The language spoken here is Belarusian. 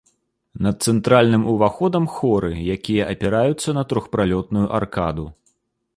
Над цэнтральным уваходам хоры, якія апіраюцца на трохпралётную аркаду.